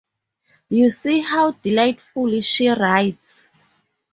You see how delightfully she writes.